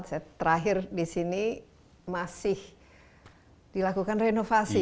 saya terakhir di sini masih dilakukan renovasi